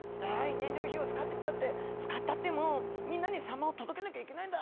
燃料費を使ったってもうみんなにサンマを届けなきゃいけないんだ！